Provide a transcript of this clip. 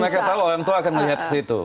karena mereka tahu orang tua akan melihat ke situ